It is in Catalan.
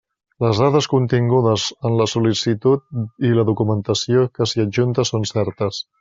Les dades contingudes en la sol·licitud i la documentació que s'hi adjunta són certes.